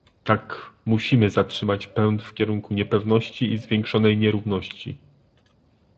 Tak, musimy zatrzymać pęd w kierunku niepewności i zwiększonej nierówności